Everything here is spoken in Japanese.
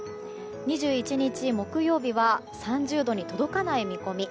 ２１日、木曜日は３０度に届かない見込み。